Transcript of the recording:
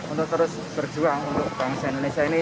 untuk terus berjuang untuk bangsa indonesia ini